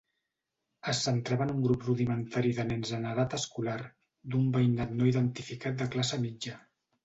Es centrava en un grup rudimentari de nens en edat escolar d"un veïnat no identificat de classe mitja.